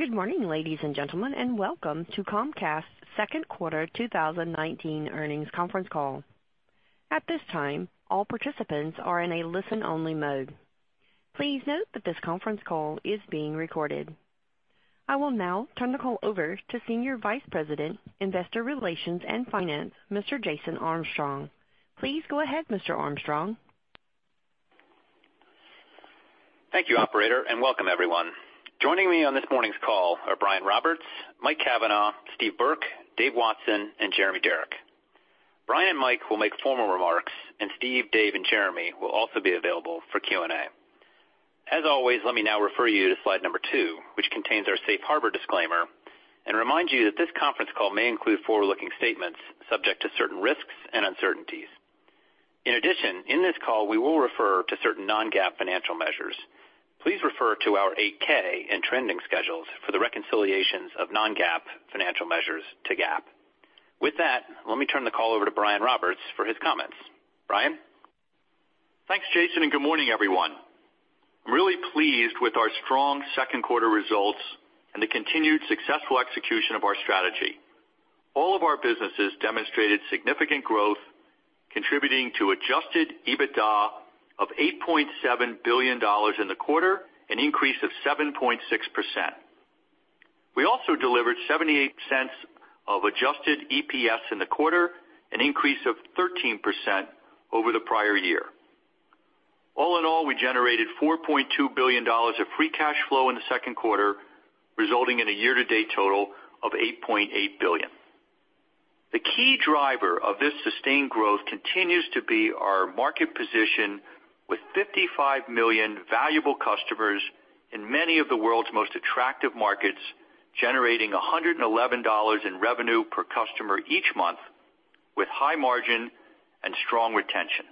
Good morning, ladies and gentlemen, and welcome to Comcast's second quarter 2019 earnings conference call. At this time, all participants are in a listen-only mode. Please note that this conference call is being recorded. I will now turn the call over to Senior Vice President, Investor Relations and Finance, Mr. Jason Armstrong. Please go ahead, Mr. Armstrong. Thank you, operator, and welcome everyone. Joining me on this morning's call are Brian Roberts, Mike Cavanagh, Steve Burke, Dave Watson, and Jeremy Darroch. Brian and Mike will make formal remarks, and Steve, Dave, and Jeremy will also be available for Q&A. As always, let me now refer you to slide number two, which contains our safe harbor disclaimer, and remind you that this conference call may include forward-looking statements subject to certain risks and uncertainties. In addition, in this call, we will refer to certain non-GAAP financial measures. Please refer to our 8-K and trending schedules for the reconciliations of non-GAAP financial measures to GAAP. With that, let me turn the call over to Brian Roberts for his comments. Brian? Thanks, Jason, and good morning, everyone. I'm really pleased with our strong second quarter results and the continued successful execution of our strategy. All of our businesses demonstrated significant growth, contributing to adjusted EBITDA of $8.7 billion in the quarter, an increase of 7.6%. We also delivered $0.78 of adjusted EPS in the quarter, an increase of 13% over the prior year. All in all, we generated $4.2 billion of free cash flow in the second quarter, resulting in a year-to-date total of $8.8 billion. The key driver of this sustained growth continues to be our market position with 55 million valuable customers in many of the world's most attractive markets, generating $111 in revenue per customer each month, with high margin and strong retention.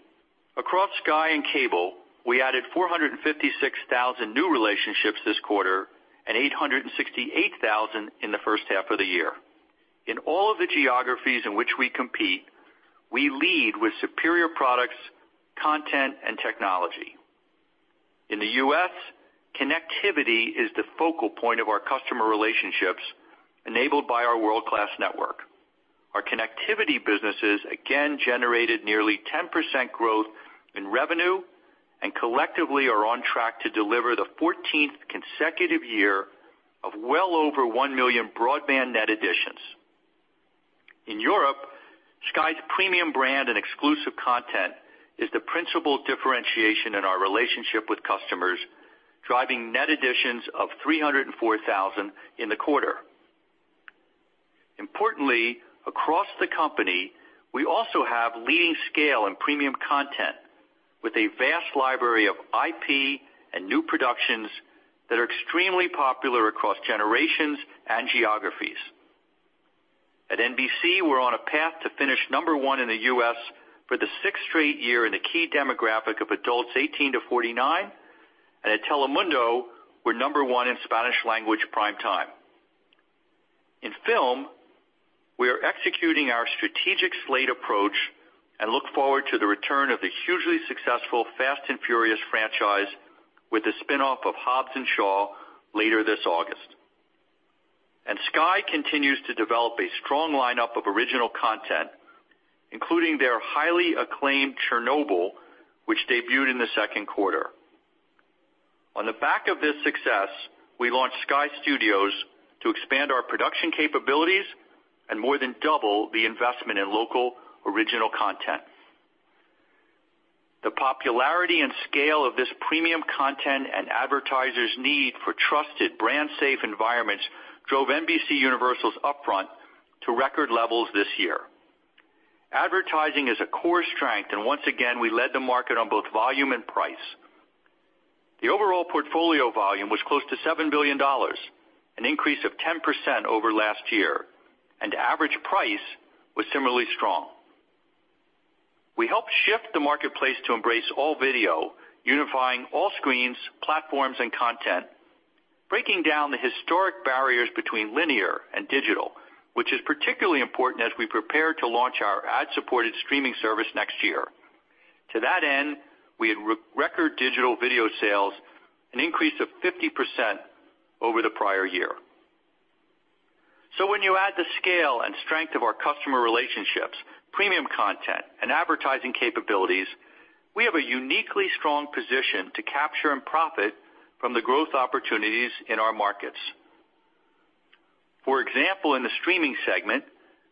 Across Sky and Cable, we added 456,000 new relationships this quarter and 868,000 in the first half of the year. In all of the geographies in which we compete, we lead with superior products, content, and technology. In the U.S., connectivity is the focal point of our customer relationships, enabled by our world-class network. Our connectivity businesses again generated nearly 10% growth in revenue and collectively are on track to deliver the 14th consecutive year of well over 1 million broadband net additions. In Europe, Sky's premium brand and exclusive content is the principal differentiation in our relationship with customers, driving net additions of 304,000 in the quarter. Importantly, across the company, we also have leading scale and premium content, with a vast library of IP and new productions that are extremely popular across generations and geographies. At NBC, we're on a path to finish number one in the U.S. for the sixth straight year in the key demographic of adults 18 to 49. At Telemundo, we're number one in Spanish language prime time. In film, we are executing our strategic slate approach and look forward to the return of the hugely successful "Fast & Furious" franchise with the spinoff of Hobbs & Shaw later this August. Sky continues to develop a strong lineup of original content, including their highly acclaimed "Chernobyl," which debuted in the second quarter. On the back of this success, we launched Sky Studios to expand our production capabilities and more than double the investment in local original content. The popularity and scale of this premium content and advertisers' need for trusted brand-safe environments drove NBCUniversal's upfront to record levels this year. Advertising is a core strength, and once again, we led the market on both volume and price. The overall portfolio volume was close to $7 billion, an increase of 10% over last year, and average price was similarly strong. We helped shift the marketplace to embrace all video, unifying all screens, platforms, and content, breaking down the historic barriers between linear and digital, which is particularly important as we prepare to launch our ad-supported streaming service next year. To that end, we had record digital video sales, an increase of 50% over the prior year. When you add the scale and strength of our customer relationships, premium content, and advertising capabilities, we have a uniquely strong position to capture and profit from the growth opportunities in our markets. For example, in the streaming segment,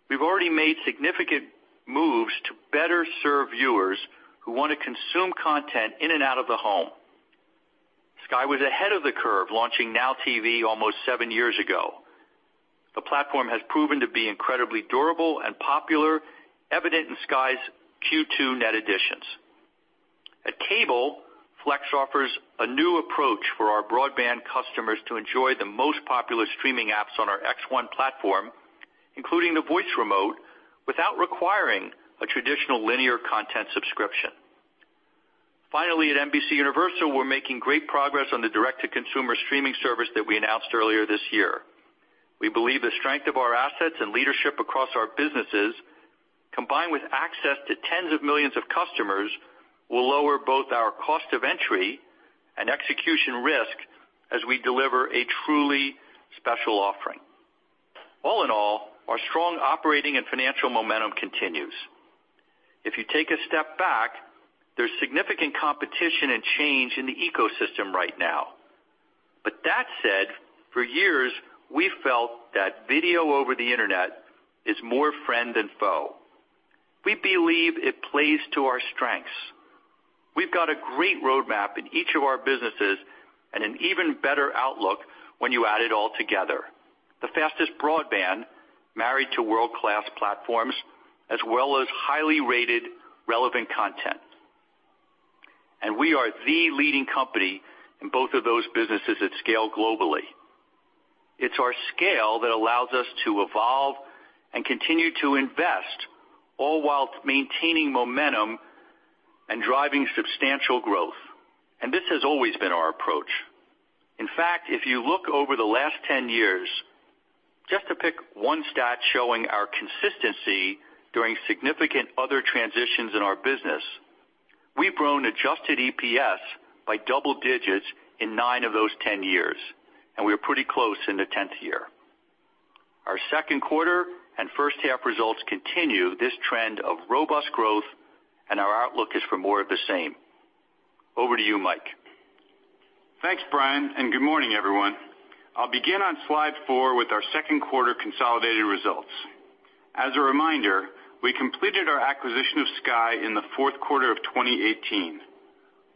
we've already made significant moves to better serve viewers who want to consume content in and out of the home. Sky was ahead of the curve, launching NOW TV almost seven years ago. The platform has proven to be incredibly durable and popular, evident in Sky's Q2 net additions. At Cable, Flex offers a new approach for our broadband customers to enjoy the most popular streaming apps on our X1 platform, including the voice remote, without requiring a traditional linear content subscription. Finally, at NBCUniversal, we're making great progress on the direct-to-consumer streaming service that we announced earlier this year. We believe the strength of our assets and leadership across our businesses, combined with access to tens of millions of customers, will lower both our cost of entry and execution risk as we deliver a truly special offering. All in all, our strong operating and financial momentum continues. If you take a step back, there's significant competition and change in the ecosystem right now. That said, for years, we've felt that video over the internet is more friend than foe. We believe it plays to our strengths. We've got a great roadmap in each of our businesses and an even better outlook when you add it all together. The fastest broadband, married to world-class platforms, as well as highly rated relevant content. We are the leading company in both of those businesses at scale globally. It's our scale that allows us to evolve and continue to invest, all while maintaining momentum and driving substantial growth. This has always been our approach. In fact, if you look over the last 10 years, just to pick one stat showing our consistency during significant other transitions in our business, we've grown adjusted EPS by double digits in nine of those 10 years, and we are pretty close in the 10th year. Our second quarter and first half results continue this trend of robust growth, and our outlook is for more of the same. Over to you, Mike. Thanks, Brian. Good morning, everyone. I'll begin on slide four with our second quarter consolidated results. As a reminder, we completed our acquisition of Sky in the fourth quarter of 2018.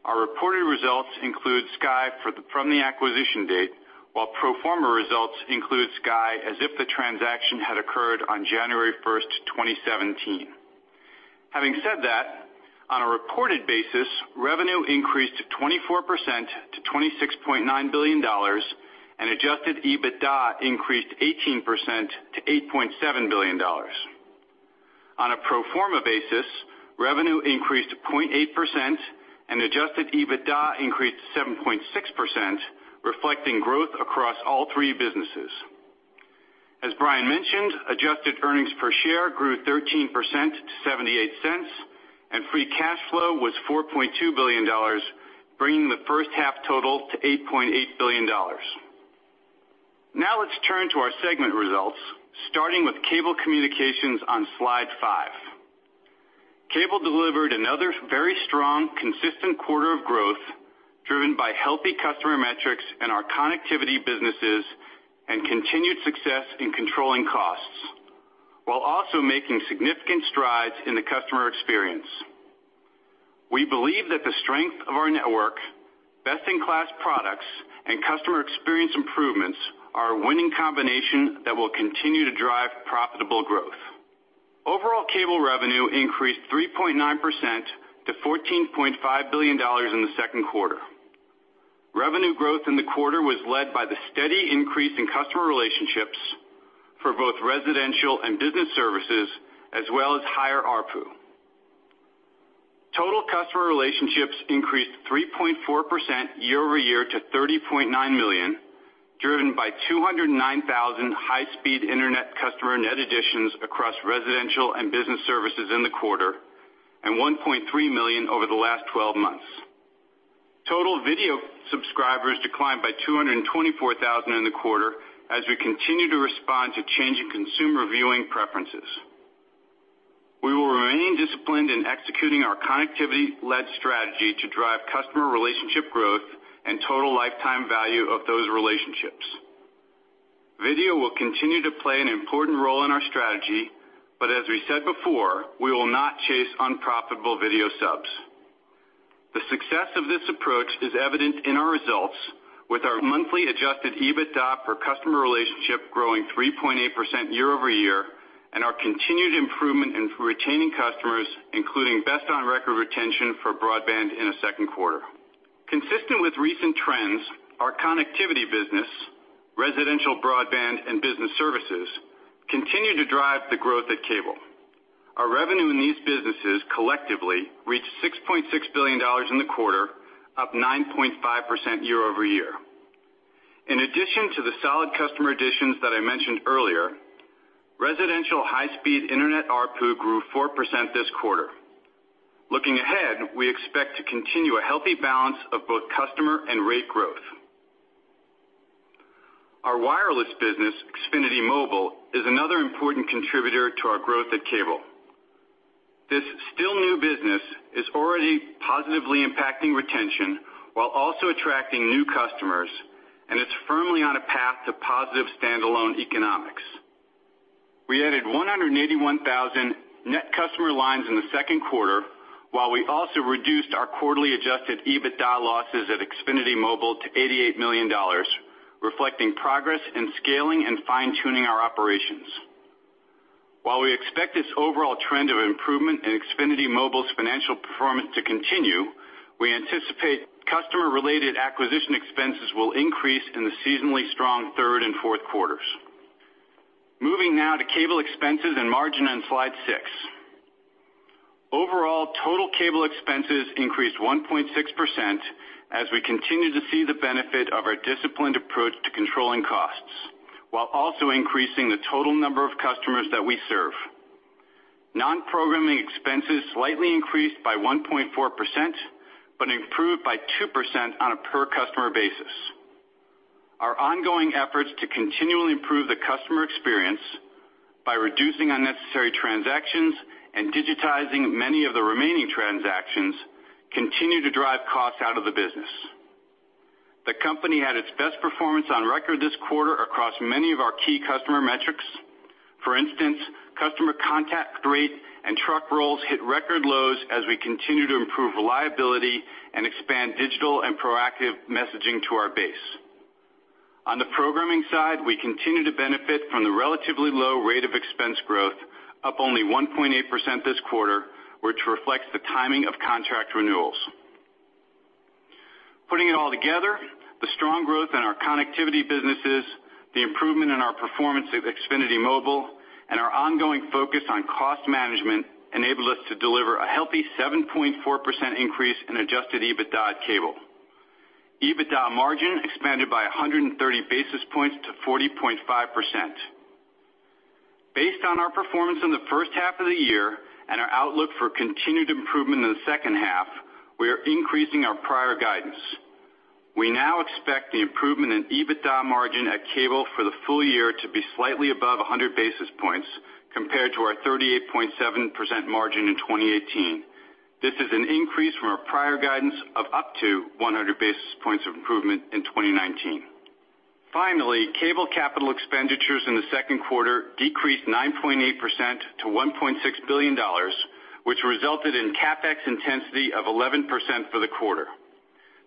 Our reported results include Sky from the acquisition date, while pro forma results include Sky as if the transaction had occurred on January 1st, 2017. Having said that, on a reported basis, revenue increased 24% to $26.9 billion, and adjusted EBITDA increased 18% to $8.7 billion. On a pro forma basis, revenue increased 0.8% and adjusted EBITDA increased 7.6%, reflecting growth across all three businesses. As Brian mentioned, adjusted earnings per share grew 13% to $0.78, and free cash flow was $4.2 billion, bringing the first half total to $8.8 billion. Let's turn to our segment results, starting with Cable Communications on slide five. Cable delivered another very strong, consistent quarter of growth, driven by healthy customer metrics in our connectivity businesses and continued success in controlling costs, while also making significant strides in the customer experience. We believe that the strength of our network, best-in-class products, and customer experience improvements are a winning combination that will continue to drive profitable growth. Overall Cable revenue increased 3.9% to $14.5 billion in the second quarter. Revenue growth in the quarter was led by the steady increase in customer relationships for both residential and business services, as well as higher ARPU. Total customer relationships increased 3.4% year-over-year to 30.9 million, driven by 209,000 high-speed internet customer net additions across residential and business services in the quarter, and 1.3 million over the last 12 months. Total video subscribers declined by 224,000 in the quarter, as we continue to respond to changing consumer viewing preferences. We will remain disciplined in executing our connectivity-led strategy to drive customer relationship growth and total lifetime value of those relationships. Video will continue to play an important role in our strategy, but as we said before, we will not chase unprofitable video subs. The success of this approach is evident in our results with our monthly adjusted EBITDA per customer relationship growing 3.8% year-over-year and our continued improvement in retaining customers, including best on record retention for broadband in the second quarter. Consistent with recent trends, our connectivity business, residential broadband and business services, continue to drive the growth at Cable. Our revenue in these businesses collectively reached $6.6 billion in the quarter, up 9.5% year-over-year. In addition to the solid customer additions that I mentioned earlier, residential high-speed internet ARPU grew 4% this quarter. Looking ahead, we expect to continue a healthy balance of both customer and rate growth. Our wireless business, Xfinity Mobile, is another important contributor to our growth at Cable. This still new business is already positively impacting retention while also attracting new customers, and it's firmly on a path to positive standalone economics. We added 181,000 net customer lines in the second quarter, while we also reduced our quarterly adjusted EBITDA losses at Xfinity Mobile to $88 million, reflecting progress in scaling and fine-tuning our operations. While we expect this overall trend of improvement in Xfinity Mobile's financial performance to continue, we anticipate customer-related acquisition expenses will increase in the seasonally strong third and fourth quarters. Moving now to Cable expenses and margin on slide six. Overall, total cable expenses increased 1.6% as we continue to see the benefit of our disciplined approach to controlling costs, while also increasing the total number of customers that we serve. Non-programming expenses slightly increased by 1.4% but improved by 2% on a per customer basis. Our ongoing efforts to continually improve the customer experience by reducing unnecessary transactions and digitizing many of the remaining transactions continue to drive costs out of the business. The company had its best performance on record this quarter across many of our key customer metrics. For instance, customer contact rate and truck rolls hit record lows as we continue to improve reliability and expand digital and proactive messaging to our base. On the programming side, we continue to benefit from the relatively low rate of expense growth, up only 1.8% this quarter, which reflects the timing of contract renewals. Putting it all together, the strong growth in our connectivity businesses, the improvement in our performance of Xfinity Mobile, and our ongoing focus on cost management enabled us to deliver a healthy 7.4% increase in adjusted EBITDA at Cable. EBITDA margin expanded by 130 basis points to 40.5%. Based on our performance in the first half of the year and our outlook for continued improvement in the second half, we are increasing our prior guidance. We now expect the improvement in EBITDA margin at Cable for the full year to be slightly above 100 basis points compared to our 38.7% margin in 2018. This is an increase from our prior guidance of up to 100 basis points of improvement in 2019. Finally, cable capital expenditures in the second quarter decreased 9.8% to $1.6 billion, which resulted in CapEx intensity of 11% for the quarter.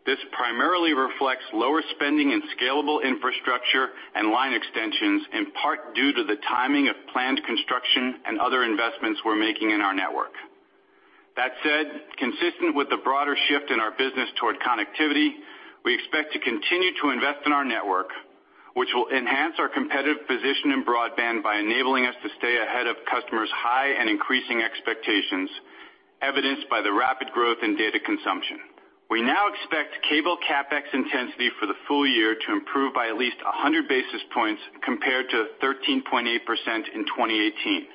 This primarily reflects lower spending in scalable infrastructure and line extensions, in part due to the timing of planned construction and other investments we're making in our network. That said, consistent with the broader shift in our business toward connectivity, we expect to continue to invest in our network, which will enhance our competitive position in broadband by enabling us to stay ahead of customers' high and increasing expectations, evidenced by the rapid growth in data consumption. We now expect Cable CapEx intensity for the full year to improve by at least 100 basis points compared to 13.8% in 2018.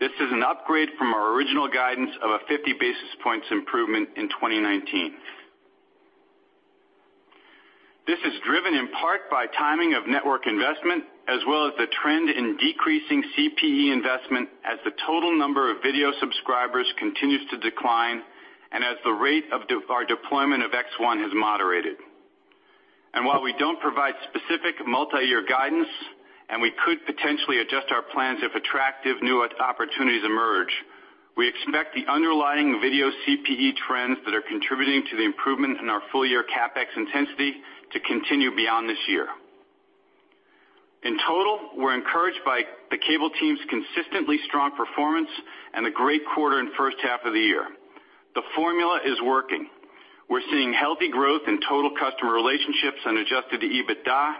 This is an upgrade from our original guidance of a 50 basis points improvement in 2019. This is driven in part by timing of network investment as well as the trend in decreasing CPE investment as the total number of video subscribers continues to decline and as the rate of our deployment of X1 has moderated. While we don't provide specific multi-year guidance, and we could potentially adjust our plans if attractive new opportunities emerge, we expect the underlying video CPE trends that are contributing to the improvement in our full-year CapEx intensity to continue beyond this year. In total, we're encouraged by the Cable team's consistently strong performance and a great quarter in first half of the year. The formula is working. We're seeing healthy growth in total customer relationships and adjusted EBITDA,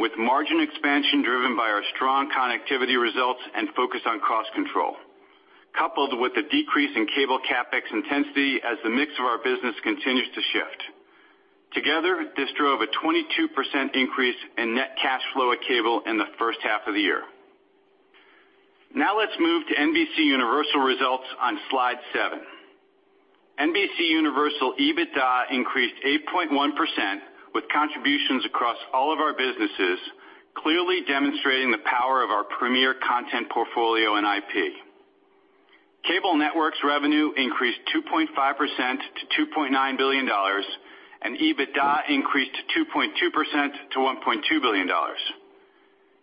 with margin expansion driven by our strong connectivity results and focus on cost control, coupled with a decrease in Cable CapEx intensity as the mix of our business continues to shift. Together, this drove a 22% increase in net cash flow at Cable in the first half of the year. Let's move to NBCUniversal results on slide seven. NBCUniversal EBITDA increased 8.1% with contributions across all of our businesses, clearly demonstrating the power of our premier content portfolio and IP. Cable networks revenue increased 2.5% to $2.9 billion. EBITDA increased 2.2% to $1.2 billion.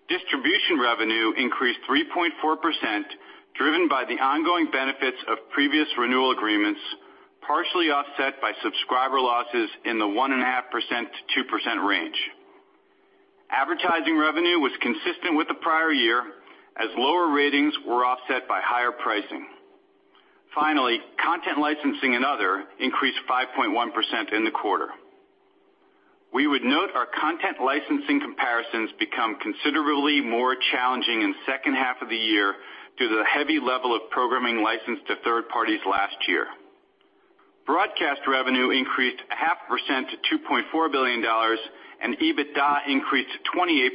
Distribution revenue increased 3.4%, driven by the ongoing benefits of previous renewal agreements, partially offset by subscriber losses in the 1.5%-2% range. Advertising revenue was consistent with the prior year, as lower ratings were offset by higher pricing. Content licensing and other increased 5.1% in the quarter. We would note our content licensing comparisons become considerably more challenging in the second half of the year due to the heavy level of programming licensed to third parties last year. Broadcast revenue increased 0.5% to $2.4 billion, and EBITDA increased 28%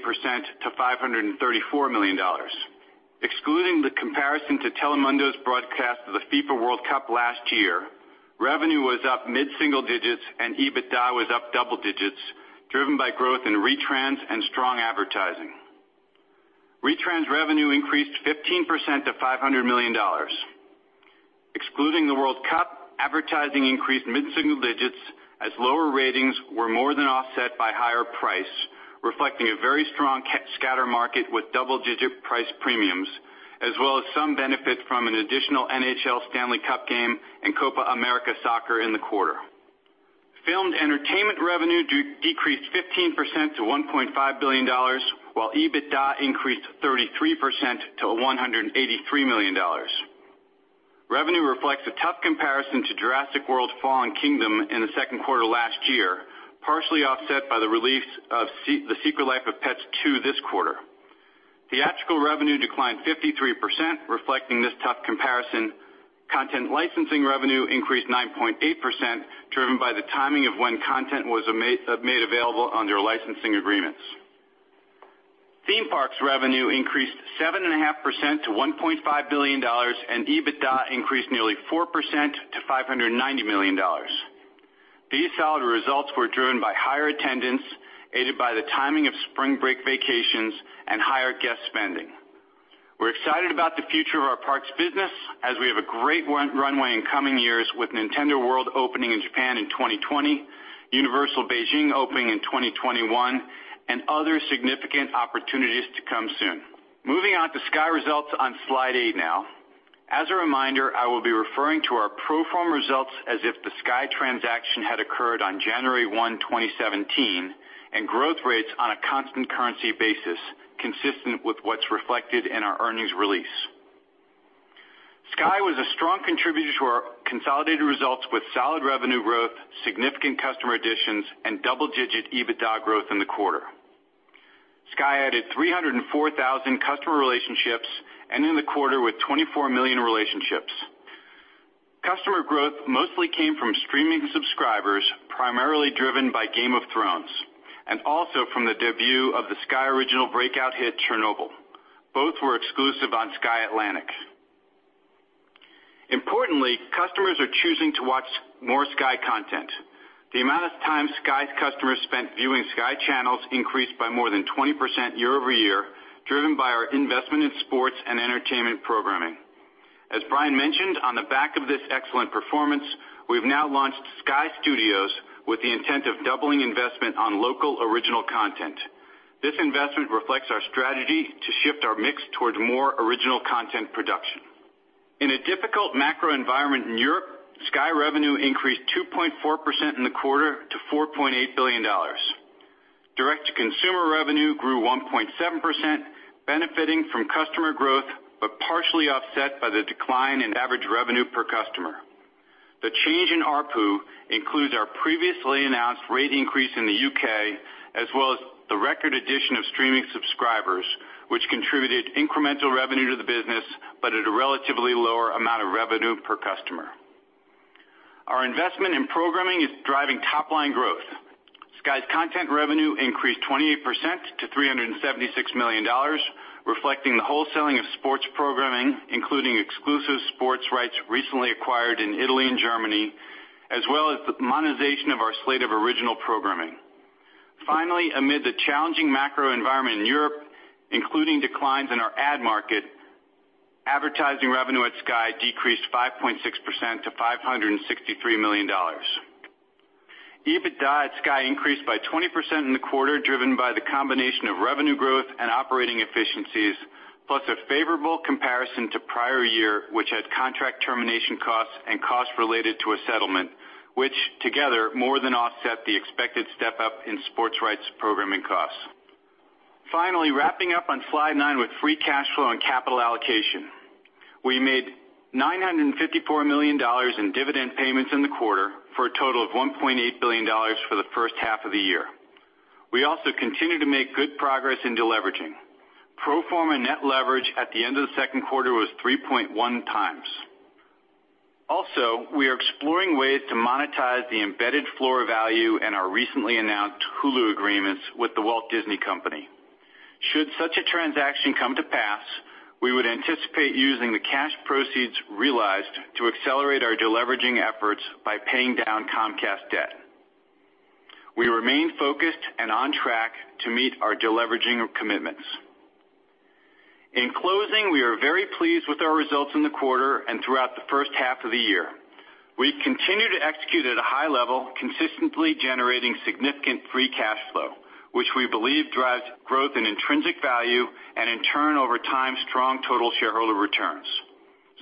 to $534 million. Excluding the comparison to Telemundo's broadcast of the FIFA World Cup last year, revenue was up mid-single digits and EBITDA was up double digits, driven by growth in retrans and strong advertising. Retrans revenue increased 15% to $500 million. Excluding the World Cup, advertising increased mid-single digits as lower ratings were more than offset by higher price, reflecting a very strong scatter market with double-digit price premiums as well as some benefit from an additional NHL Stanley Cup game and Copa América soccer in the quarter. Filmed entertainment revenue decreased 15% to $1.5 billion, while EBITDA increased 33% to $183 million. Revenue reflects a tough comparison to Jurassic World: Fallen Kingdom in the second quarter last year, partially offset by the release of The Secret Life of Pets 2 this quarter. Theatrical revenue declined 53%, reflecting this tough comparison. Content licensing revenue increased 9.8%, driven by the timing of when content was made available under licensing agreements. Theme parks revenue increased 7.5% to $1.5 billion, and EBITDA increased nearly 4% to $590 million. These solid results were driven by higher attendance, aided by the timing of spring break vacations and higher guest spending. We're excited about the future of our parks business as we have a great runway in coming years with Nintendo World opening in Japan in 2020, Universal Beijing opening in 2021, and other significant opportunities to come soon. Moving on to Sky results on slide eight now. As a reminder, I will be referring to our pro forma results as if the Sky transaction had occurred on January 1, 2017, and growth rates on a constant currency basis, consistent with what's reflected in our earnings release. Sky was a strong contributor to our consolidated results with solid revenue growth, significant customer additions, and double-digit EBITDA growth in the quarter. Sky added 304,000 customer relationships, ending the quarter with 24 million relationships. Customer growth mostly came from streaming subscribers, primarily driven by "Game of Thrones," and also from the debut of the Sky original breakout hit, "Chernobyl." Both were exclusive on Sky Atlantic. Importantly, customers are choosing to watch more Sky content. The amount of time Sky customers spent viewing Sky channels increased by more than 20% year-over-year, driven by our investment in sports and entertainment programming. As Brian mentioned, on the back of this excellent performance, we've now launched Sky Studios with the intent of doubling investment on local original content. This investment reflects our strategy to shift our mix towards more original content production. In a difficult macro environment in Europe, Sky revenue increased 2.4% in the quarter to $4.8 billion. Direct-to-consumer revenue grew 1.7%, benefiting from customer growth, but partially offset by the decline in average revenue per customer. The change in ARPU includes our previously announced rate increase in the U.K., as well as the record addition of streaming subscribers, which contributed incremental revenue to the business, but at a relatively lower amount of revenue per customer. Our investment in programming is driving top-line growth. Sky's content revenue increased 28% to $376 million, reflecting the wholesaling of sports programming, including exclusive sports rights recently acquired in Italy and Germany, as well as the monetization of our slate of original programming. Amid the challenging macro environment in Europe, including declines in our ad market, advertising revenue at Sky decreased 5.6% to $563 million. EBITDA at Sky increased by 20% in the quarter, driven by the combination of revenue growth and operating efficiencies, plus a favorable comparison to prior year, which had contract termination costs and costs related to a settlement, which together more than offset the expected step-up in sports rights programming costs. Wrapping up on slide nine with free cash flow and capital allocation. We made $954 million in dividend payments in the quarter for a total of $1.8 billion for the first half of the year. We also continue to make good progress in deleveraging. Pro forma net leverage at the end of the second quarter was 3.1 times. We are exploring ways to monetize the embedded floor value in our recently announced Hulu agreements with The Walt Disney Company. Should such a transaction come to pass, we would anticipate using the cash proceeds realized to accelerate our deleveraging efforts by paying down Comcast debt. We remain focused and on track to meet our deleveraging commitments. In closing, we are very pleased with our results in the quarter and throughout the first half of the year. We continue to execute at a high level, consistently generating significant free cash flow, which we believe drives growth and intrinsic value and in turn, over time, strong total shareholder returns.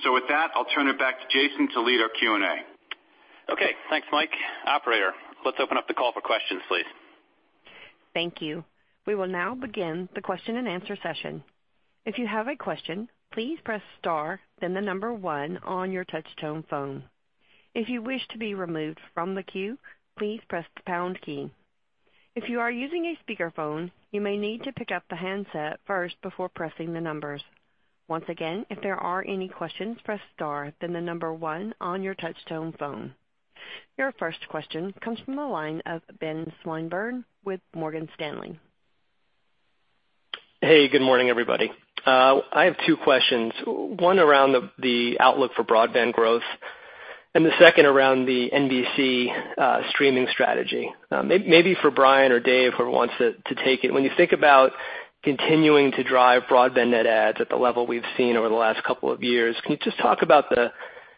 With that, I'll turn it back to Jason to lead our Q&A. Okay. Thanks, Mike. Operator, let's open up the call for questions, please. Thank you. We will now begin the question and answer session. If you have a question, please press star then the number 1 on your touch tone phone. If you wish to be removed from the queue, please press the pound key. If you are using a speakerphone, you may need to pick up the handset first before pressing the numbers. Once again, if there are any questions, press star then the number 1 on your touch tone phone. Your first question comes from the line of Ben Swinburne with Morgan Stanley. Hey, good morning, everybody. I have two questions. One around the outlook for broadband growth, and the second around the NBC streaming strategy. Maybe for Brian or Dave, whoever wants to take it. When you think about continuing to drive broadband net adds at the level we've seen over the last couple of years, can you just talk about the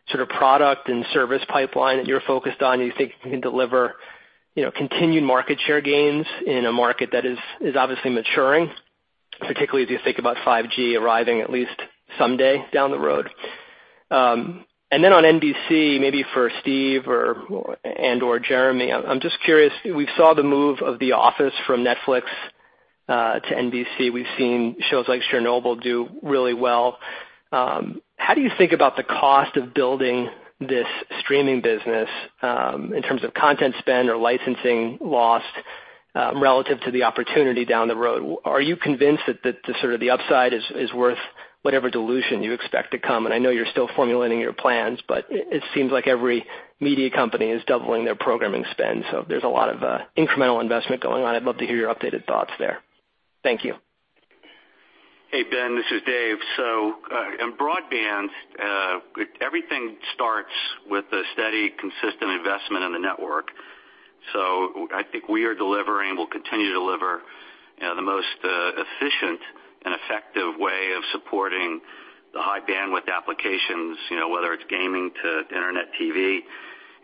sort of product and service pipeline that you're focused on, you think you can deliver continued market share gains in a market that is obviously maturing, particularly as you think about 5G arriving at least someday down the road? On NBC, maybe for Steve and/or Jeremy, I'm just curious. We saw the move of "The Office" from Netflix to NBC. We've seen shows like "Chernobyl" do really well. How do you think about the cost of building this streaming business in terms of content spend or licensing lost relative to the opportunity down the road? Are you convinced that the upside is worth whatever dilution you expect to come? I know you're still formulating your plans, but it seems like every media company is doubling their programming spend, there's a lot of incremental investment going on. I'd love to hear your updated thoughts there. Thank you. Hey, Ben. This is Dave. In broadband, everything starts with a steady, consistent investment in the network. I think we are delivering, we'll continue to deliver, the most efficient and effective way of supporting the high bandwidth applications, whether it's gaming to internet TV,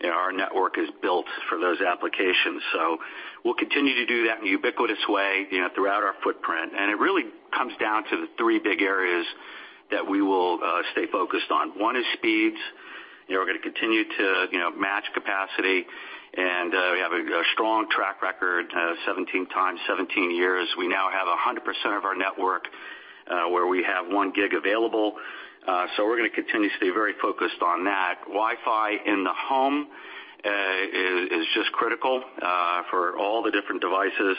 our network is built for those applications. We'll continue to do that in a ubiquitous way throughout our footprint. It really comes down to the three big areas that we will stay focused on. One is speeds. We're going to continue to match capacity, and we have a strong track record, 17 times, 17 years. We now have 100% of our network where we have one gig available. We're going to continue to stay very focused on that. Wi-Fi in the home is just critical for all the different devices.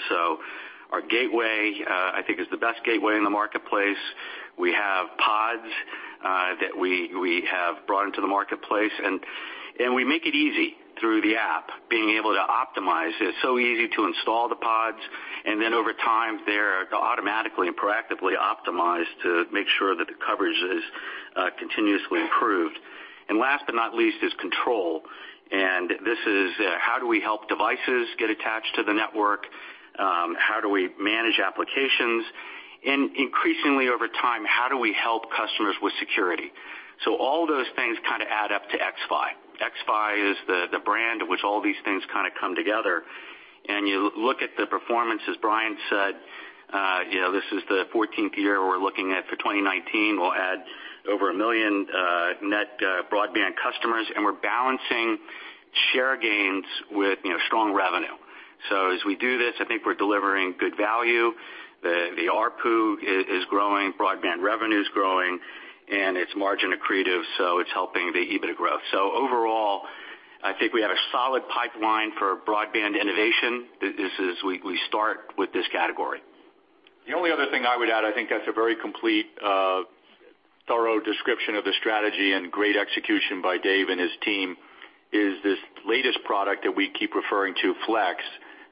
Our gateway, I think, is the best gateway in the marketplace. We have pods that we have brought into the marketplace, and we make it easy through the app, being able to optimize it. It's so easy to install the pods, and then over time, they're automatically and proactively optimized to make sure that the coverage is continuously improved. Last but not least, is control. This is how do we help devices get attached to the network? How do we manage applications? Increasingly, over time, how do we help customers with security? All those things kind of add up to xFi. xFi is the brand at which all these things kind of come together. You look at the performance, as Brian said, this is the 14th year we're looking at for 2019. We'll add over a million net broadband customers, and we're balancing share gains with strong revenue. As we do this, I think we're delivering good value. The ARPU is growing, broadband revenue is growing, and it's margin accretive, it's helping the EBITDA growth. Overall, I think we have a solid pipeline for broadband innovation. We start with this category. The only other thing I would add, I think that's a very complete, thorough description of the strategy and great execution by Dave and his team, is this latest product that we keep referring to, Flex,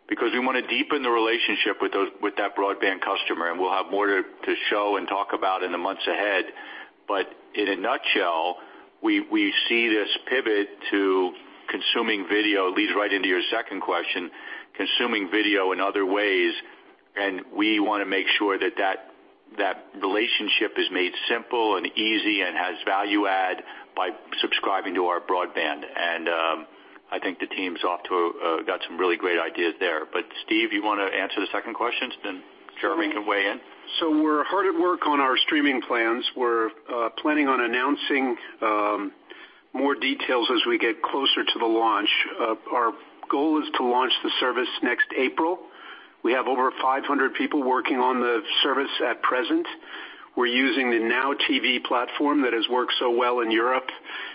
because we want to deepen the relationship with that broadband customer, and we'll have more to show and talk about in the months ahead. In a nutshell, we see this pivot to consuming video, leads right into your second question, consuming video in other ways, and we want to make sure that relationship is made simple and easy and has value add by subscribing to our broadband. I think the team's got some really great ideas there. Steve, you want to answer the second question? Jeremy can weigh in. We're hard at work on our streaming plans. We're planning on announcing more details as we get closer to the launch. Our goal is to launch the service next April. We have over 500 people working on the service at present. We're using the NOW TV platform that has worked so well in Europe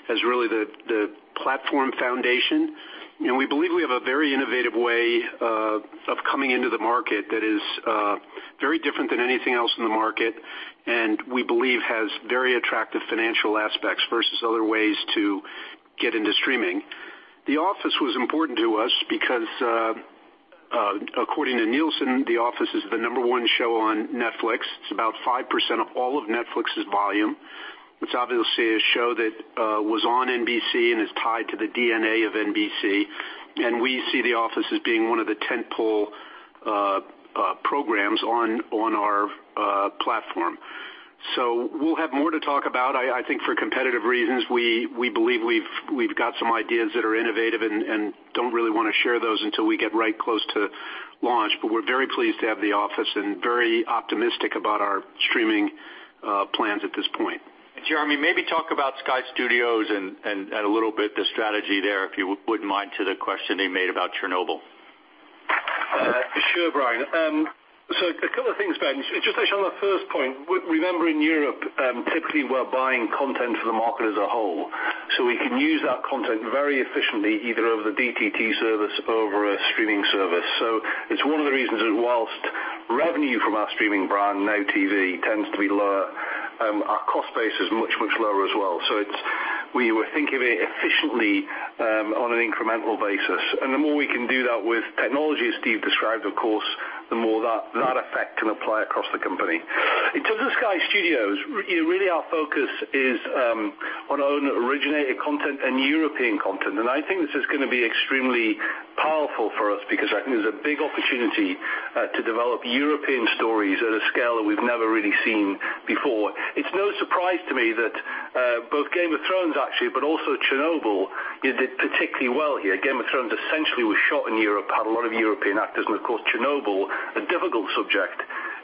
as really the platform foundation. We believe we have a very innovative way of coming into the market that is very different than anything else in the market and we believe has very attractive financial aspects versus other ways to get into streaming. The Office was important to us because, according to Nielsen, The Office is the number one show on Netflix. It's about 5% of all of Netflix's volume. It's obviously a show that was on NBC and is tied to the DNA of NBC. We see The Office as being one of the tent-pole programs on our platform. We'll have more to talk about. I think for competitive reasons, we believe we've got some ideas that are innovative and don't really want to share those until we get right close to launch. We're very pleased to have The Office and very optimistic about our streaming plans at this point. Jeremy, maybe talk about Sky Studios and a little bit the strategy there, if you wouldn't mind, to the question they made about Chernobyl. Sure, Brian. A couple of things, Ben. Just actually on the first point, remember in Europe, typically we're buying content for the market as a whole, we can use that content very efficiently, either over the DTT service or over a streaming service. It's one of the reasons that whilst revenue from our streaming brand, NOW TV, tends to be lower, our cost base is much, much lower as well. We were thinking of it efficiently, on an incremental basis. The more we can do that with technology, as Steve described, of course, the more that effect can apply across the company. In terms of Sky Studios, really our focus is on own originated content and European content. I think this is going to be extremely powerful for us because I think there's a big opportunity to develop European stories at a scale that we've never really seen before. It's no surprise to me that both "Game of Thrones," actually, but also "Chernobyl," did particularly well here. "Game of Thrones" essentially was shot in Europe, had a lot of European actors, and of course, "Chernobyl," a difficult subject,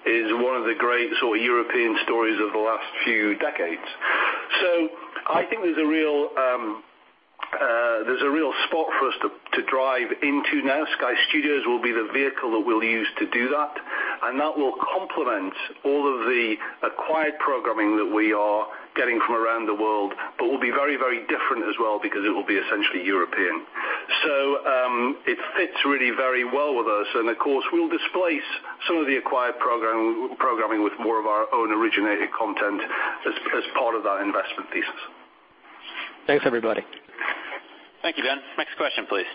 is one of the great sort of European stories of the last few decades. I think there's a real. There's a real spot for us to drive into now. Sky Studios will be the vehicle that we'll use to do that will complement all of the acquired programming that we are getting from around the world, but will be very different as well because it will be essentially European. It fits really very well with us and of course, we'll displace some of the acquired programming with more of our own originated content as part of that investment thesis. Thanks, everybody. Thank you, Ben. Next question, please.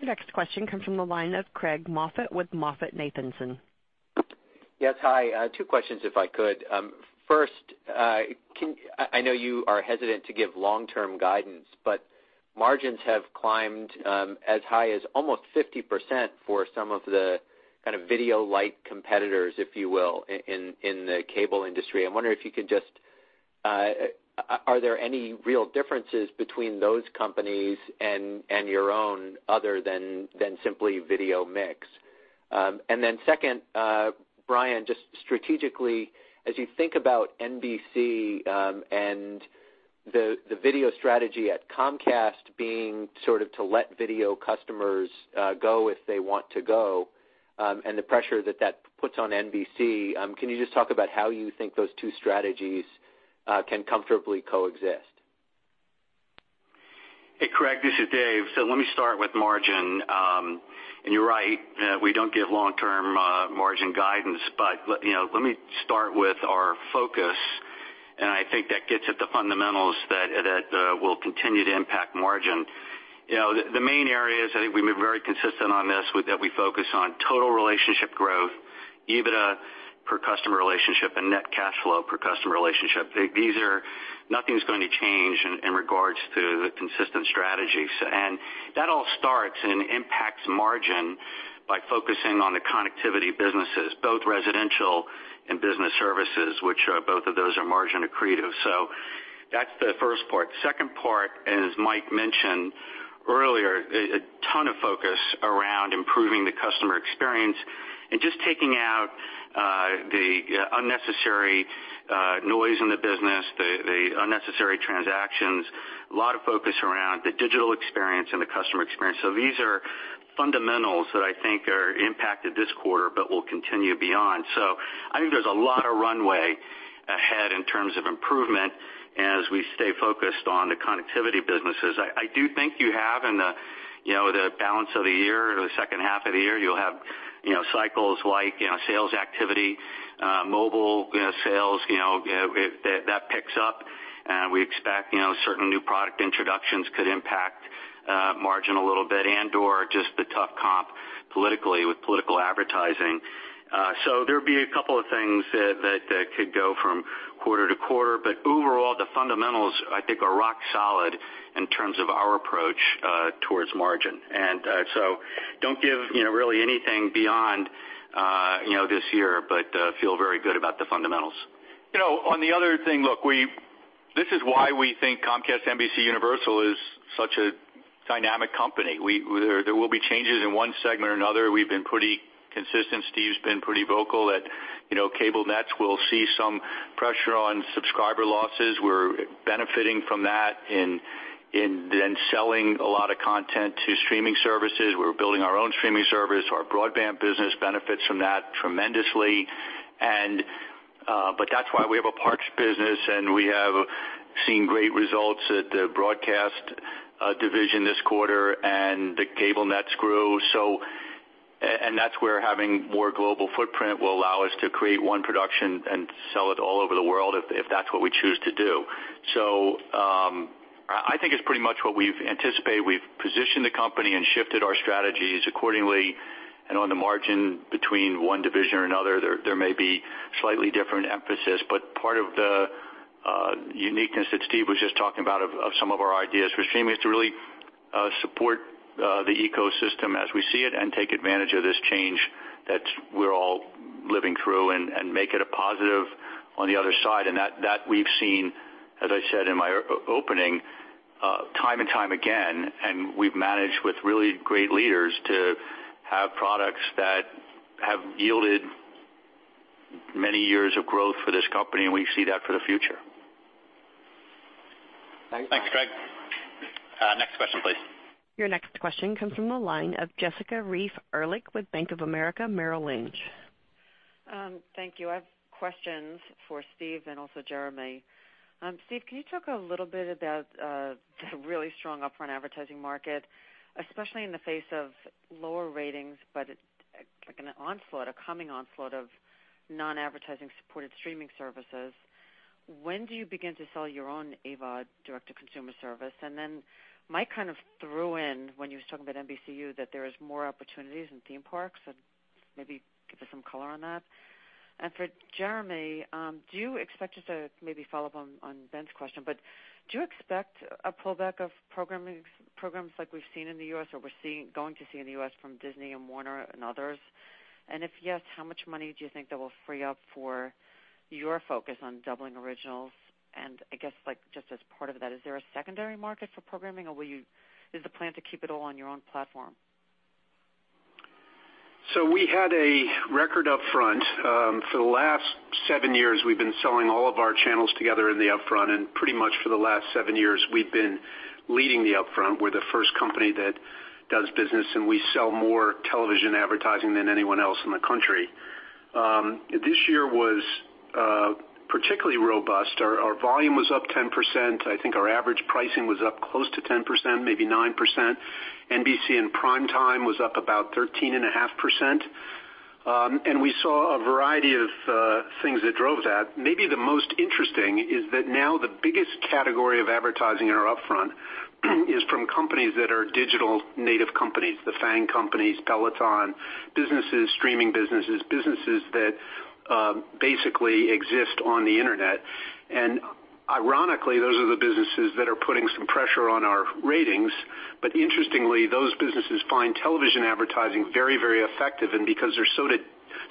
The next question comes from the line of Craig Moffett with MoffettNathanson. Yes, hi. Two questions if I could. First, I know you are hesitant to give long-term guidance, but margins have climbed as high as almost 50% for some of the video light competitors, if you will, in the cable industry. I wonder if you could just Are there any real differences between those companies and your own other than simply video mix? Second, Brian, just strategically, as you think about NBC, and the video strategy at Comcast being sort of to let video customers go if they want to go, and the pressure that puts on NBC, can you just talk about how you think those two strategies can comfortably coexist? Hey, Craig, this is Dave. Let me start with margin. You're right. We don't give long-term margin guidance. Let me start with our focus, and I think that gets at the fundamentals that will continue to impact margin. The main areas, I think we've been very consistent on this, that we focus on total relationship growth, EBITDA per customer relationship, and net cash flow per customer relationship. Nothing's going to change in regards to the consistent strategies. That all starts and impacts margin by focusing on the connectivity businesses, both residential and business services, which both of those are margin accretive. That's the first part. The second part, as Mike mentioned earlier, a ton of focus around improving the customer experience and just taking out the unnecessary noise in the business, the unnecessary transactions, a lot of focus around the digital experience and the customer experience. These are fundamentals that I think are impacted this quarter, but will continue beyond. I think there's a lot of runway ahead in terms of improvement as we stay focused on the connectivity businesses. I do think you have in the balance of the year or the second half of the year, you'll have cycles like sales activity, mobile sales, that picks up. We expect certain new product introductions could impact margin a little bit and/or just the tough comp politically with political advertising. There'd be a couple of things that could go from quarter to quarter, but overall, the fundamentals, I think, are rock solid in terms of our approach towards margin. Don't give really anything beyond this year, but feel very good about the fundamentals. On the other thing, look, this is why we think Comcast NBCUniversal is such a dynamic company. There will be changes in one segment or another. We've been pretty consistent. Steve's been pretty vocal that Cable Nets will see some pressure on subscriber losses. We're benefiting from that in then selling a lot of content to streaming services. We're building our own streaming service. Our broadband business benefits from that tremendously. That's why we have a parks business, and we have seen great results at the broadcast division this quarter and the Cable Nets grew. That's where having more global footprint will allow us to create one production and sell it all over the world if that's what we choose to do. I think it's pretty much what we've anticipated. We've positioned the company and shifted our strategies accordingly, and on the margin between one division or another, there may be slightly different emphasis. Part of the uniqueness that Steve was just talking about of some of our ideas for streaming is to really support the ecosystem as we see it and take advantage of this change that we're all living through and make it a positive on the other side. That we've seen, as I said in my opening, time and time again, and we've managed with really great leaders to have products that have yielded many years of growth for this company, and we see that for the future. Thanks. Thanks, Craig. Next question, please. Your next question comes from the line of Jessica Reif Ehrlich with Bank of America Merrill Lynch. Thank you. I have questions for Steve and also Jeremy. Steve, can you talk a little bit about the really strong upfront advertising market, especially in the face of lower ratings, but like an onslaught, a coming onslaught of non-advertising supported streaming services. When do you begin to sell your own AVOD direct-to-consumer service? Mike kind of threw in when you were talking about NBCU that there is more opportunities in theme parks and maybe give us some color on that. For Jeremy, do you expect us to maybe follow up on Ben's question, but do you expect a pullback of programs like we've seen in the U.S. or we're going to see in the U.S. from Disney and Warner and others? If yes, how much money do you think that will free up for your focus on doubling originals? I guess just as part of that, is there a secondary market for programming, or is the plan to keep it all on your own platform? We had a record upfront. For the last seven years, we've been selling all of our channels together in the upfront, and pretty much for the last seven years, we've been leading the upfront. We're the first company that does business, and we sell more television advertising than anyone else in the country. This year was particularly robust. Our volume was up 10%. I think our average pricing was up close to 10%, maybe 9%. NBC in prime time was up about 13.5%. We saw a variety of things that drove that. Maybe the most interesting is that now the biggest category of advertising in our upfront is from companies that are digital native companies, the FAANG companies, Peloton, businesses, streaming businesses that basically exist on the Internet. Ironically, those are the businesses that are putting some pressure on our ratings. Interestingly, those businesses find television advertising very effective and because they're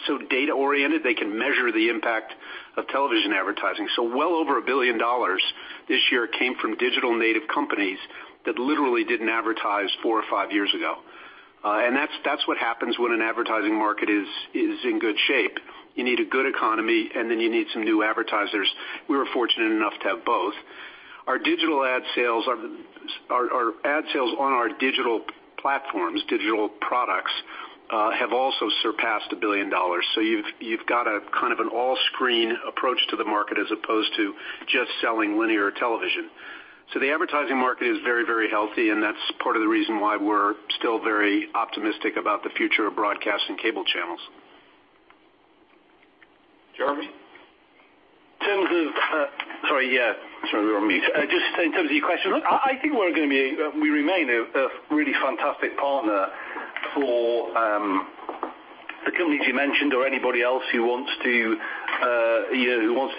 so data-oriented, they can measure the impact of television advertising. Well over $1 billion this year came from digital native companies that literally didn't advertise four or five years ago. That's what happens when an advertising market is in good shape. You need a good economy, and then you need some new advertisers. We were fortunate enough to have both. Our ad sales on our digital platforms, digital products, have also surpassed $1 billion. You've got a kind of an all-screen approach to the market as opposed to just selling linear television. The advertising market is very healthy, and that's part of the reason why we're still very optimistic about the future of broadcast and cable channels. Jeremy? Sorry, yeah. Sorry, we were on mute. Just in terms of your question, look, I think we remain a really fantastic partner for the companies you mentioned or anybody else who wants to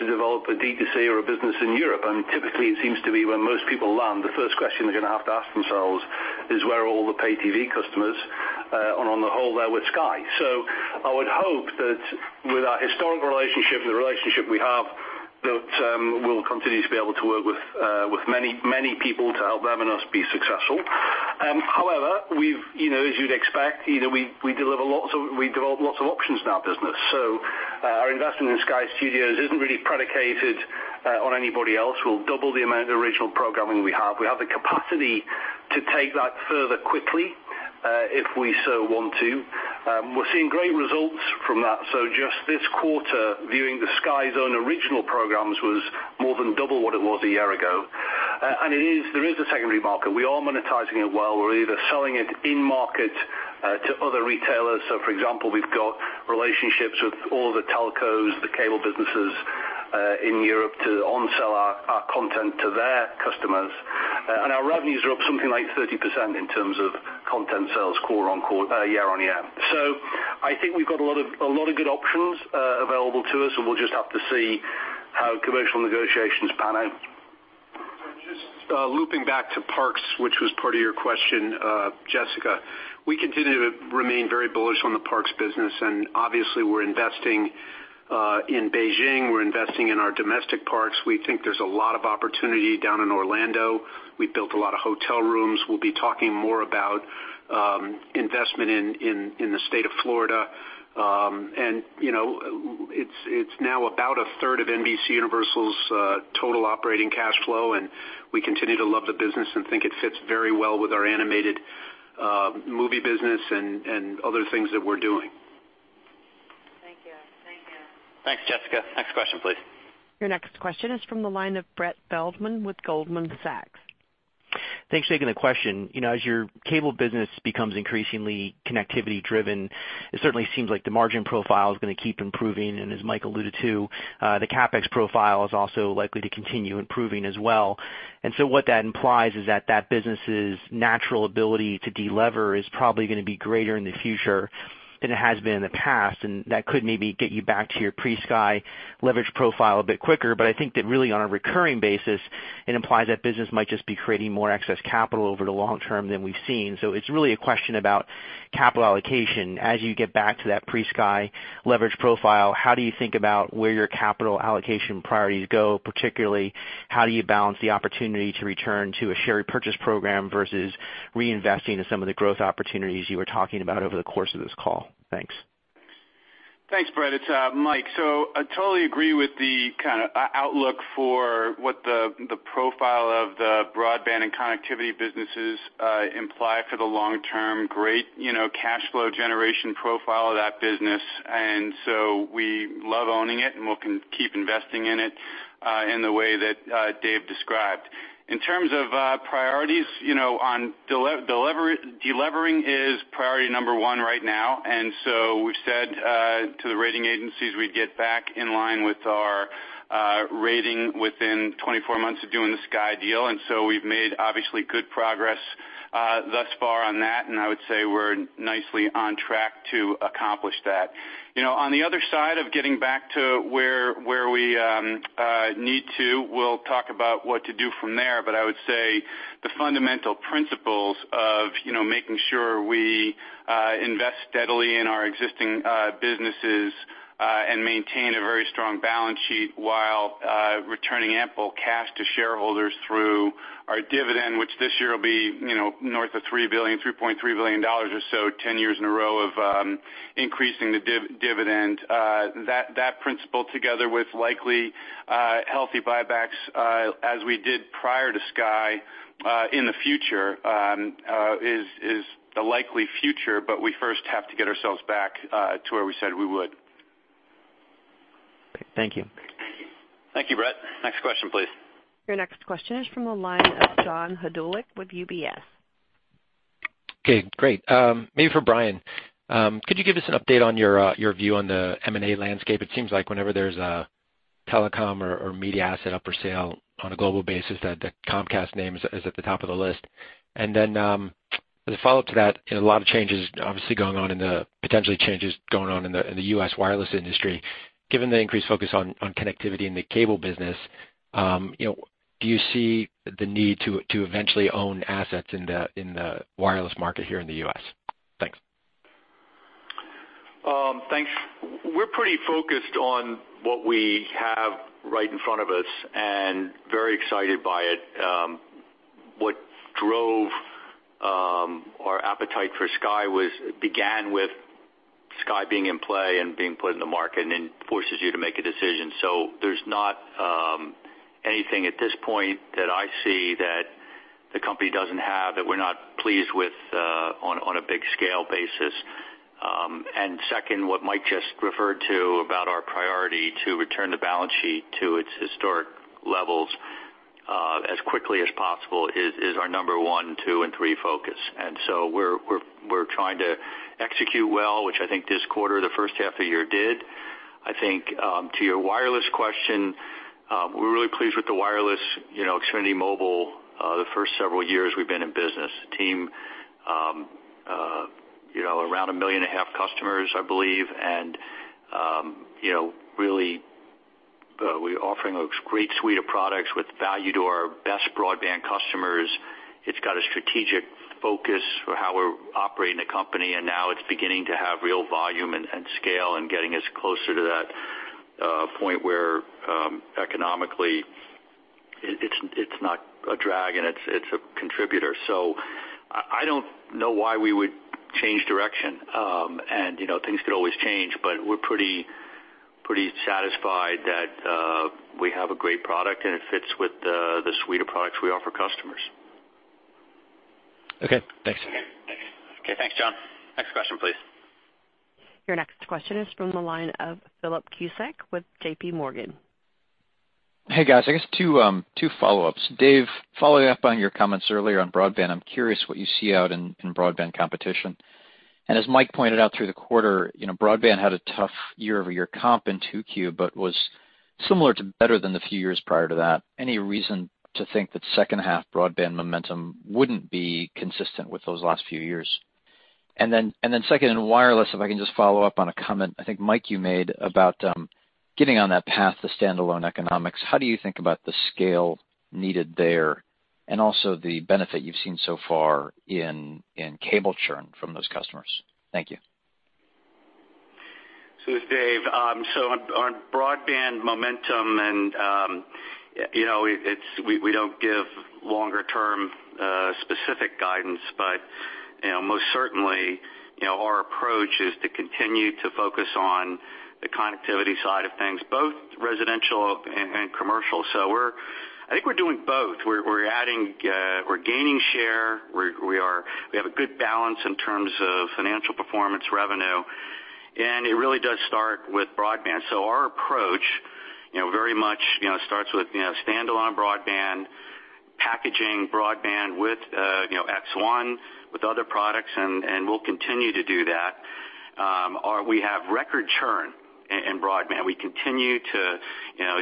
develop a D2C or a business in Europe. Typically, it seems to be where most people land, the first question they're going to have to ask themselves is where are all the pay TV customers? On the whole, they're with Sky. I would hope that with our historic relationship and the relationship we have, that we'll continue to be able to work with many people to help them and us be successful. However, as you'd expect, we develop lots of options in our business. Our investment in Sky Studios isn't really predicated on anybody else. We'll double the amount of original programming we have. We have the capacity to take that further quickly, if we so want to. We're seeing great results from that. Just this quarter, viewing the Sky's own original programs was more than double what it was a year ago. There is a secondary market. We are monetizing it well. We're either selling it in market to other retailers. For example, we've got relationships with all the telcos, the cable businesses in Europe to onsell our content to their customers. Our revenues are up something like 30% in terms of content sales year-over-year. I think we've got a lot of good options available to us, and we'll just have to see how commercial negotiations pan out. Just looping back to Parks, which was part of your question, Jessica. Obviously, we're investing in Beijing, we're investing in our domestic parks. We think there's a lot of opportunity down in Orlando. We've built a lot of hotel rooms. We'll be talking more about investment in the state of Florida. It's now about a third of NBCUniversal's total operating cash flow, and we continue to love the business and think it fits very well with our animated movie business and other things that we're doing. Thank you. Thanks, Jessica. Next question, please. Your next question is from the line of Brett Feldman with Goldman Sachs. Thanks. Taking the question. As your cable business becomes increasingly connectivity driven, it certainly seems like the margin profile is going to keep improving, and as Mike alluded to, the CapEx profile is also likely to continue improving as well. What that implies is that business's natural ability to delever is probably going to be greater in the future than it has been in the past, and that could maybe get you back to your pre-Sky leverage profile a bit quicker. I think that really on a recurring basis, it implies that business might just be creating more excess capital over the long term than we've seen. It's really a question about capital allocation. As you get back to that pre-Sky leverage profile, how do you think about where your capital allocation priorities go? Particularly, how do you balance the opportunity to return to a share repurchase program versus reinvesting in some of the growth opportunities you were talking about over the course of this call? Thanks. Thanks, Brett. It's Mike. I totally agree with the kind of outlook for what the profile of the broadband and connectivity businesses imply for the long term. Great cash flow generation profile of that business, we love owning it, and we'll keep investing in it in the way that Dave described. In terms of priorities, delevering is priority number 1 right now, we've said to the rating agencies we'd get back in line with our rating within 24 months of doing the Sky deal, we've made obviously good progress thus far on that, and I would say we're nicely on track to accomplish that. On the other side of getting back to where we need to, we'll talk about what to do from there. I would say the fundamental principles of making sure we invest steadily in our existing businesses Maintain a very strong balance sheet while returning ample cash to shareholders through our dividend, which this year will be north of $3.3 billion or so, 10 years in a row of increasing the dividend. That principle together with likely healthy buybacks as we did prior to Sky in the future is the likely future, but we first have to get ourselves back to where we said we would. Thank you. Thank you, Brett. Next question, please. Your next question is from the line of John Hodulik with UBS. Okay, great. Maybe for Brian. Could you give us an update on your view on the M&A landscape? It seems like whenever there's a telecom or media asset up for sale on a global basis, that the Comcast name is at the top of the list. As a follow-up to that, a lot of changes obviously going on potentially changes going on in the U.S. wireless industry. Given the increased focus on connectivity in the cable business, do you see the need to eventually own assets in the wireless market here in the U.S.? Thanks. Thanks. We're pretty focused on what we have right in front of us and very excited by it. What drove our appetite for Sky began with Sky being in play and being put in the market, and then forces you to make a decision. There's not anything at this point that I see that the company doesn't have that we're not pleased with on a big scale basis. Second, what Mike just referred to about our priority to return the balance sheet to its historic levels as quickly as possible is our number one, two, and three focus. We're trying to execute well, which I think this quarter, the first half of the year did. I think to your wireless question, we're really pleased with the wireless Xfinity Mobile the first several years we've been in business. The team around 1.5 million customers, I believe. Really, we're offering a great suite of products with value to our best broadband customers. It's got a strategic focus for how we're operating the company. Now it's beginning to have real volume and scale and getting us closer to that point where economically it's not a drag and it's a contributor. I don't know why we would change direction. Things could always change, but we're pretty satisfied that we have a great product and it fits with the suite of products we offer customers. Okay, thanks. Okay, thanks, John. Next question, please. Your next question is from the line of Philip Cusick with JPMorgan. Hey, guys. I guess two follow-ups. Dave, following up on your comments earlier on broadband, I'm curious what you see out in broadband competition. As Mike pointed out through the quarter, broadband had a tough year-over-year comp in 2Q but was similar to better than the few years prior to that. Any reason to think that second half broadband momentum wouldn't be consistent with those last few years? Second, in wireless, if I can just follow up on a comment, I think, Mike, you made about getting on that path to standalone economics. How do you think about the scale needed there and also the benefit you've seen so far in cable churn from those customers? Thank you. This is Dave. On broadband momentum and-- we don't give longer term specific guidance, but most certainly, our approach is to continue to focus on the connectivity side of things, both residential and commercial. I think we're doing both. We're gaining share. We have a good balance in terms of financial performance revenue, and it really does start with broadband. Our approach very much starts with standalone broadband, packaging broadband with X1, with other products, and we'll continue to do that. We have record churn in broadband. We continue to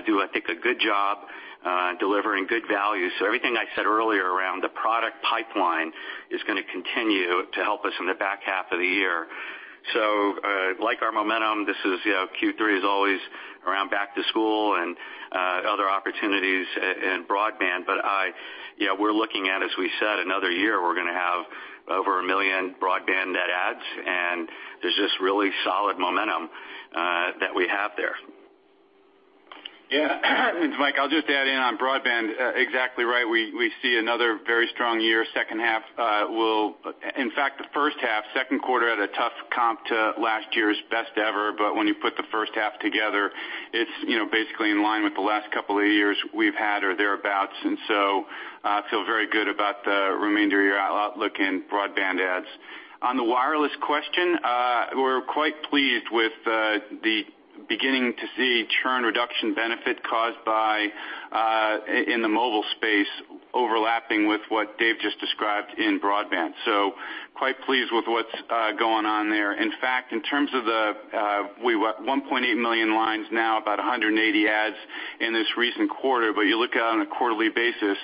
do, I think, a good job delivering good value. Everything I said earlier around the product pipeline is going to continue to help us in the back half of the year. Like our momentum, Q3 is always around back to school and other opportunities in broadband. We're looking at, as we said, another year we're going to have over 1 million broadband net adds, and there's just really solid momentum that we have there. Mike, I'll just add in on broadband. Exactly right. We see another very strong year. In fact, the first half, second quarter had a tough comp to last year's best ever, but when you put the first half together, it's basically in line with the last couple of years we've had or thereabouts. I feel very good about the remainder year outlook in broadband adds. On the wireless question, we're quite pleased with the beginning to see churn reduction benefit caused by in the mobile space overlapping with what Dave just described in broadband. Quite pleased with what's going on there. In fact, in terms of the we're at 1.8 million lines now, about 180 adds in this recent quarter, but you look out on a quarterly basis,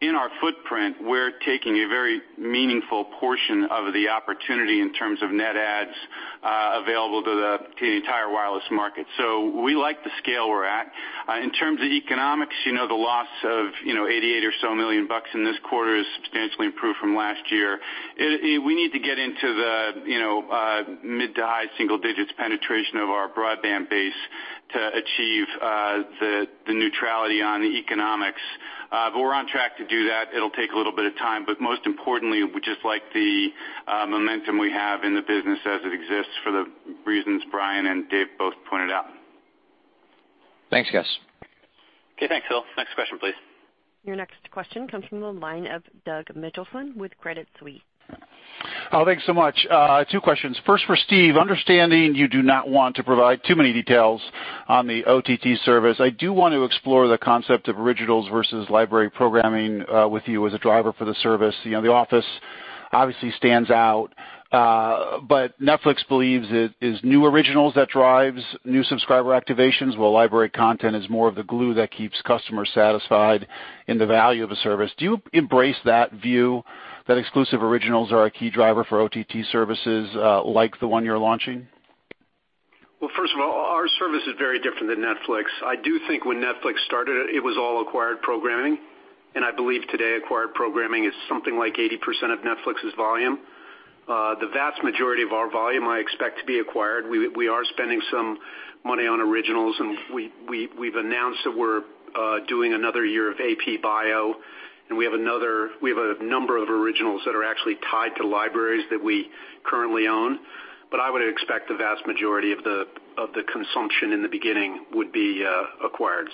in our footprint, we're taking a very meaningful portion of the opportunity in terms of net adds available to the entire wireless market. We like the scale we're at. In terms of economics, the loss of $88 million or so in this quarter is substantially improved from last year. We need to get into the mid to high single-digits penetration of our broadband base to achieve the neutrality on the economics. We're on track to do that. It'll take a little bit of time, but most importantly, we just like the momentum we have in the business as it exists for the reasons Brian and Dave both pointed out. Thanks, guys. Okay, thanks, Phil. Next question, please. Your next question comes from the line of Doug Mitchelson with Credit Suisse. Oh, thanks so much. Two questions. First for Steve, understanding you do not want to provide too many details on the OTT service, I do want to explore the concept of originals versus library programming with you as a driver for the service. The Office obviously stands out, but Netflix believes it is new originals that drives new subscriber activations, while library content is more of the glue that keeps customers satisfied in the value of a service. Do you embrace that view that exclusive originals are a key driver for OTT services like the one you're launching? First of all, our service is very different than Netflix. I do think when Netflix started, it was all acquired programming, and I believe today acquired programming is something like 80% of Netflix's volume. The vast majority of our volume I expect to be acquired. We are spending some money on originals, and we've announced that we're doing another year of A.P. Bio, and we have a number of originals that are actually tied to libraries that we currently own. I would expect the vast majority of the consumption, in the beginning, would be acquired.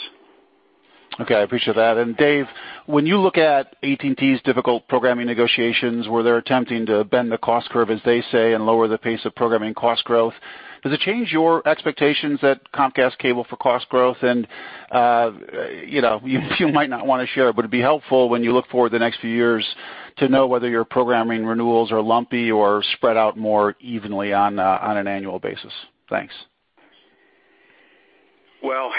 Okay, I appreciate that. Dave, when you look at AT&T's difficult programming negotiations, where they're attempting to bend the cost curve, as they say, and lower the pace of programming cost growth, does it change your expectations at Comcast Cable for cost growth? You might not want to share, but it'd be helpful when you look for the next few years to know whether your programming renewals are lumpy or spread out more evenly on an annual basis. Thanks. Well,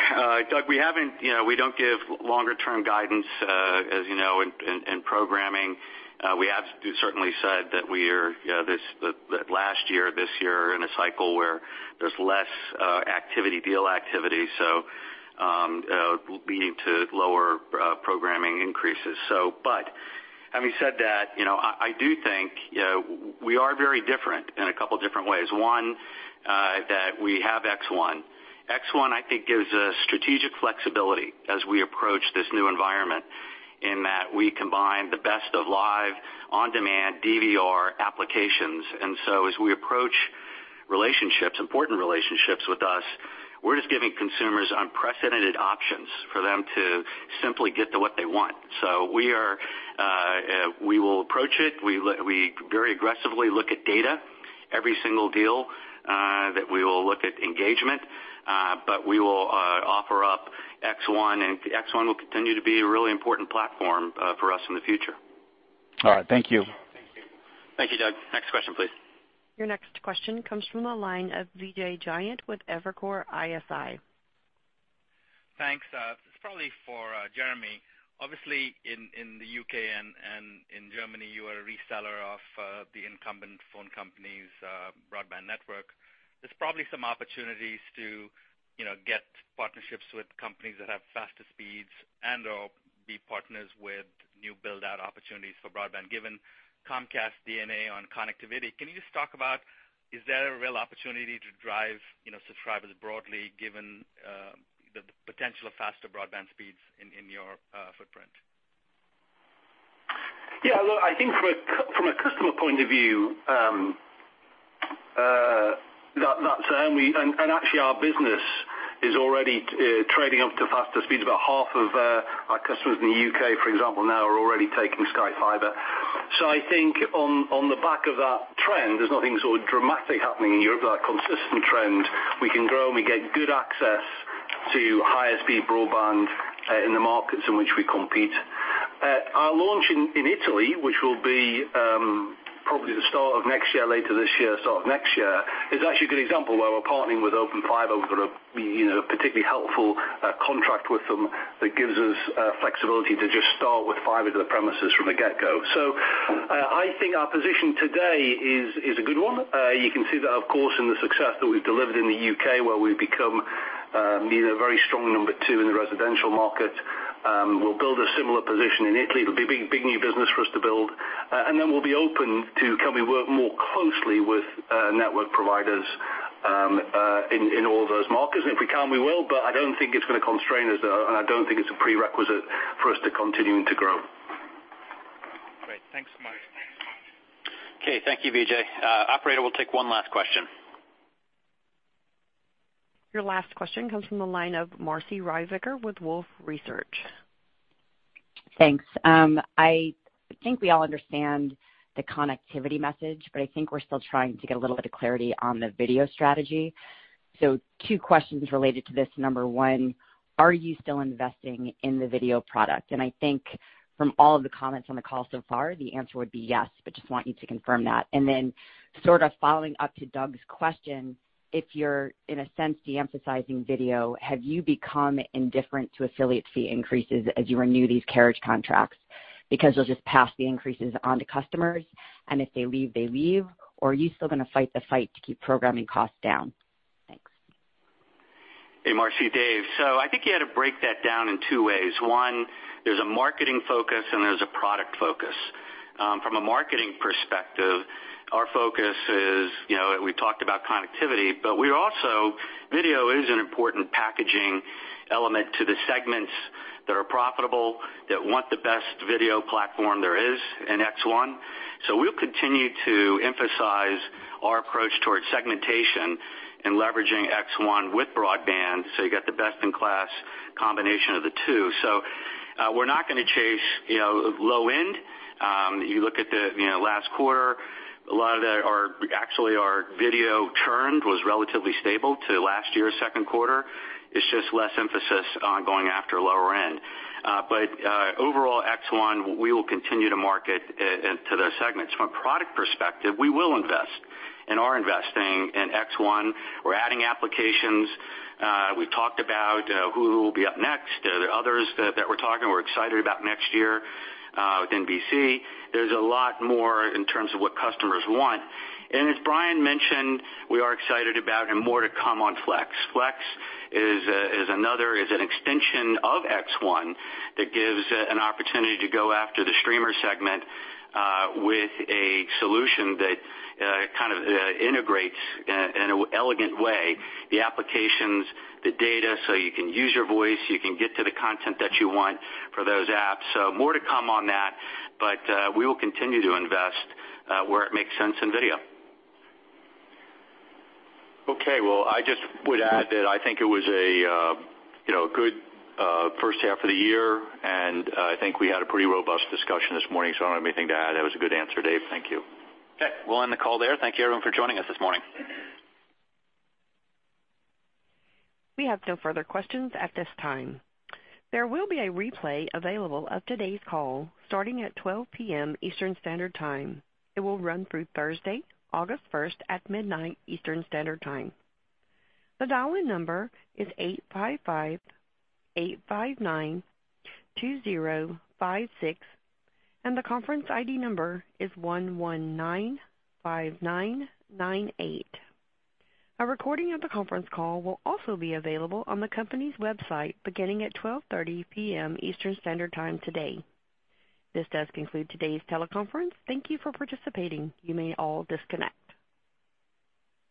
Doug, we don't give longer-term guidance, as you know, in programming. We have certainly said that last year, this year are in a cycle where there's less deal activity, leading to lower programming increases. Having said that, I do think we are very different in a couple different ways. One, that we have X1. X1, I think, gives us strategic flexibility as we approach this new environment in that we combine the best of live, on-demand DVR applications. As we approach important relationships with us, we're just giving consumers unprecedented options for them to simply get to what they want. We will approach it. We very aggressively look at data, every single deal that we will look at engagement. We will offer up X1, and X1 will continue to be a really important platform for us in the future. All right. Thank you. Thank you, Doug. Next question, please. Your next question comes from the line of Vijay Jayant with Evercore ISI. Thanks. It's probably for Jeremy. Obviously, in the U.K. and in Germany, you are a reseller of the incumbent phone company's broadband network. There's probably some opportunities to get partnerships with companies that have faster speeds and/or be partners with new build-out opportunities for broadband. Given Comcast DNA on connectivity, can you just talk about, is that a real opportunity to drive subscribers broadly given the potential of faster broadband speeds in your footprint? Yeah, look, I think from a customer point of view, and actually our business is already trading up to faster speeds. About half of our customers in the U.K., for example, now are already taking Sky Fibre. I think on the back of that trend, there's nothing sort of dramatic happening in Europe, but a consistent trend. We can grow and we get good access to higher speed broadband in the markets in which we compete. Our launch in Italy, which will be probably the start of next year, later this year, start of next year, is actually a good example where we're partnering with Open Fiber. We've got a particularly helpful contract with them that gives us flexibility to just start with fiber to the premises from the get-go. I think our position today is a good one. You can see that, of course, in the success that we've delivered in the U.K., where we've become a very strong number two in the residential market. We'll build a similar position in Italy. It'll be a big, new business for us to build. We'll be open to can we work more closely with network providers in all those markets. If we can, we will. I don't think it's going to constrain us, though. I don't think it's a prerequisite for us to continuing to grow. Great. Thanks so much. Okay, thank you, Vijay. Operator, we'll take one last question. Your last question comes from the line of Marci Ryvicker with Wolfe Research. Thanks. I think we all understand the connectivity message, but I think we're still trying to get a little bit of clarity on the video strategy. Two questions related to this. Number one, are you still investing in the video product? I think from all of the comments on the call so far, the answer would be yes, but just want you to confirm that. Then sort of following up to Doug's question, if you're, in a sense, de-emphasizing video, have you become indifferent to affiliate fee increases as you renew these carriage contracts? Because you'll just pass the increases on to customers, and if they leave, they leave, or are you still going to fight the fight to keep programming costs down? Thanks. Hey, Marci, Dave. I think you had to break that down in two ways. One, there's a marketing focus and there's a product focus. From a marketing perspective, our focus is, we talked about connectivity, but video is an important packaging element to the segments that are profitable, that want the best video platform there is in X1. We'll continue to emphasize our approach towards segmentation and leveraging X1 with broadband so you get the best-in-class combination of the two. We're not going to chase low end. You look at the last quarter, a lot of actually our video churn was relatively stable to last year's second quarter. It's just less emphasis on going after lower end. Overall, X1, we will continue to market to those segments. From a product perspective, we will invest and are investing in X1. We're adding applications. We've talked about who will be up next. There are others that we're excited about next year with NBC. There's a lot more in terms of what customers want. As Brian mentioned, we are excited about and more to come on Xfinity Flex. Xfinity Flex is an extension of Xfinity X1 that gives an opportunity to go after the streamer segment with a solution that kind of integrates in an elegant way the applications, the data, so you can use your voice, you can get to the content that you want for those apps. More to come on that, but we will continue to invest where it makes sense in video. Okay. Well, I just would add that I think it was a good first half of the year. I think we had a pretty robust discussion this morning. I don't have anything to add. That was a good answer, Dave. Thank you. Okay. We'll end the call there. Thank you everyone for joining us this morning. We have no further questions at this time. There will be a replay available of today's call starting at 12:00 P.M. Eastern Standard Time. It will run through Thursday, August 1st at midnight Eastern Standard Time. The dial-in number is 855-859-2056, and the conference ID number is 1195998. A recording of the conference call will also be available on the company's website beginning at 12:30 P.M. Eastern Standard Time today. This does conclude today's teleconference. Thank you for participating. You may all disconnect.